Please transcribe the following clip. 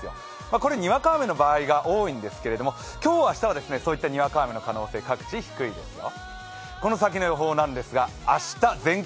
これ、にわか雨の場合が多いんですけど、今日、明日はそういったにわか雨の可能性、各地低いですよ。